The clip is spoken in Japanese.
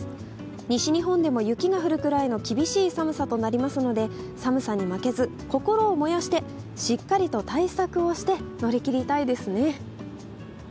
西日本でも雪が降るくらいの厳しい寒さとなりますので、寒さに負けず心を燃やしてしっかりと対策をして乗り切りたいですね。